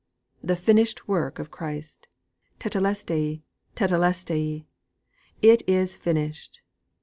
VIII 'The Finished Work of Christ!' 'Tetelestai! Tetelestai!' '_It is finished!